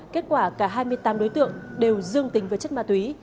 kết quả cả hai mươi tám đối tượng đều dương tính với chất ma túy